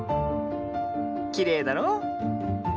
きれいだろう。